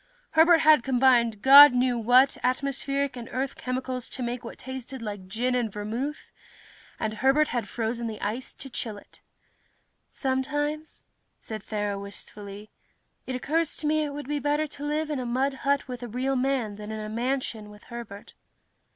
Herbert had combined God knew what atmospheric and earth chemicals to make what tasted like gin and vermouth, and Herbert had frozen the ice to chill it. "Sometimes," said Thera wistfully, "it occurs to me it would be better to live in a mud hut with a real man than in a mansion with Herbert."